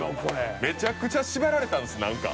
めちゃくちゃ縛られたんです何か。